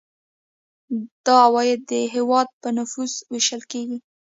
دا عواید د هیواد په نفوس ویشل کیږي.